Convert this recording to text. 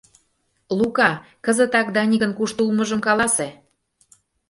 — Лука, кызытак Даникын кушто улмыжым каласе.